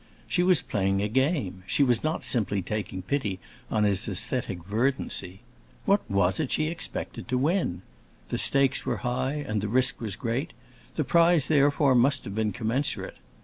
She was playing a game; she was not simply taking pity on his æsthetic verdancy. What was it she expected to win? The stakes were high and the risk was great; the prize therefore must have been commensurate.